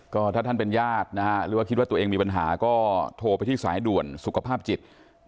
ก็ถ้าท่านเป็นญาตินะฮะหรือว่าคิดว่าตัวเองมีปัญหาก็โทรไปที่สายด่วนสุขภาพจิต